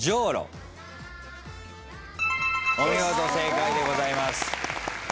お見事正解でございます。